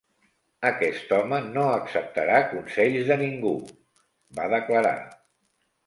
"Aquest home no acceptarà consells de ningú", va declarar.